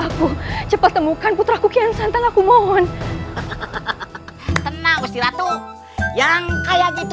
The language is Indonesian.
aku cepat temukan putraku kian santan aku mohon tenang istirahat tuh yang kayak gitu